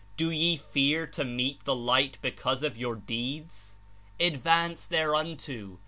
Do ye fear to meet the Light be cause of your deeds? Advance thereto.